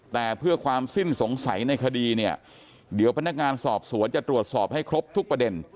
แต่เพื่อความสิ้นสงสัยในคดีเนี่ยเดี๋ยวพนักงานสอบสวนจะตรวจสอบให้ครบทุกประเด็น